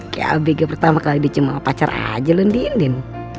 gak bega pertama kali dicima sama pacar aja lho dindin